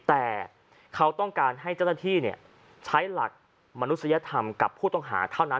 แต่เขาต้องการให้เจ้าหน้าที่ใช้หลักมนุษยธรรมกับผู้ต้องหาเท่านั้น